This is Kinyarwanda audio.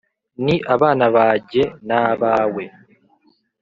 ni abana bajye n'abawe